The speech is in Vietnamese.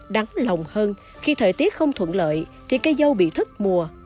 đáng lòng hơn khi thời tiết không thuận lợi thì cây dâu bị thất mùa